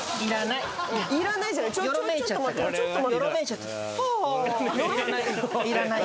いらないいらない。